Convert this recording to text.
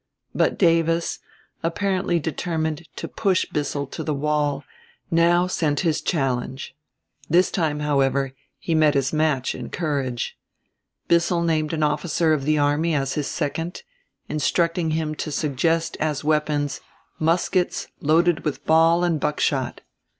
But Davis, apparently determined to push Bissell to the wall, now sent his challenge. This time, however, he met his match, in courage. Bissell named an officer of the army as his second, instructing him to suggest as weapons "muskets, loaded with ball and buckshot."